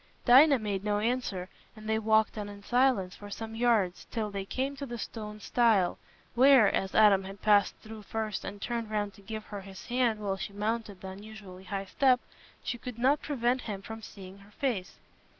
Dinah made no answer, and they walked on in silence for some yards, till they came to the stone stile, where, as Adam had passed through first and turned round to give her his hand while she mounted the unusually high step, she could not prevent him from seeing her face.